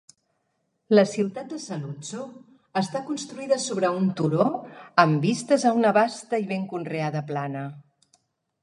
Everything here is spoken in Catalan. La ciutat de Saluzzo està construïda sobre un turó amb vistes a una vasta i ben conreada plana.